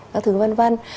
các thứ vân vân